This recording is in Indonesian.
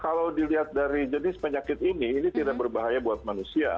kalau dilihat dari jenis penyakit ini ini tidak berbahaya buat manusia